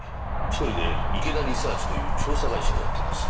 １人で池田リサーチという調査会社をやっています。